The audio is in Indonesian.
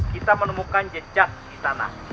kita menemukan jejak di tanah